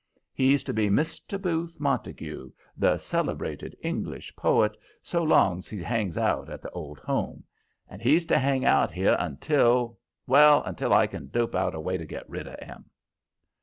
He's to be Mr. Booth Montague, the celebrated English poet, so long's he hangs out at the Old Home; and he's to hang out here until well, until I can dope out a way to get rid of him."